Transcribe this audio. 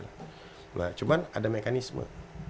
nah cuman ada mekanisme